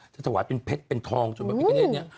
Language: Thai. จะถวายเป็นเพชรเป็นทองจนพระพิกเกณฑ์นี้